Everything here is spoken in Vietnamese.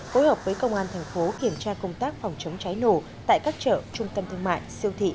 phối hợp với công an thành phố kiểm tra công tác phòng chống cháy nổ tại các chợ trung tâm thương mại siêu thị